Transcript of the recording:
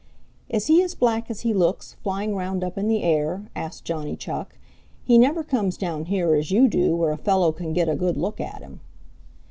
"Is he as black as he looks, flying round up in the air?" asked Johnny Chuck. "He never comes down here as you do where a fellow can get a good look at him."